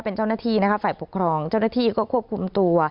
เป็นเจ้าหน้าที่ไฟบัตรพกรองเจ้าหน้าที่ก็ควบคุมตัว